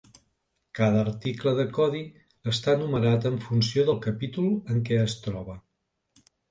Cada article de codi està numerat en funció del capítol en què es troba.